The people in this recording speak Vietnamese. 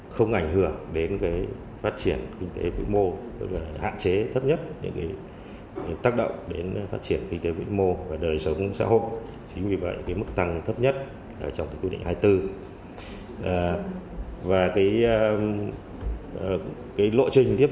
không ảnh hưởng đến doanh nghiệp